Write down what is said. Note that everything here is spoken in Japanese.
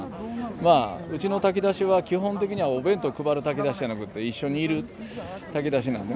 まあうちの炊き出しは基本的にはお弁当配る炊き出しじゃなくって一緒にいる炊き出しなんで。